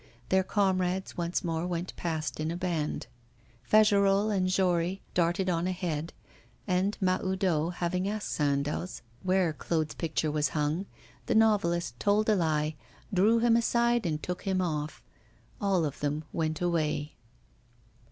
Their comrades once more went past in a band. Fagerolles and Jory darted on ahead, and, Mahoudeau having asked Sandoz where Claude's picture was hung, the novelist told a lie, drew him aside and took him off. All of them went away.